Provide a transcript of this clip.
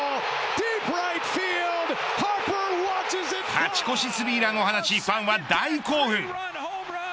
勝ち越し３ランを放ちファンは大興奮。